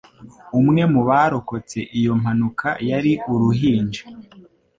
Umwe mu barokotse iyo mpanuka yari uruhinja.